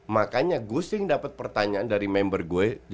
makanya gue sering dapet pertanyaan dari member gue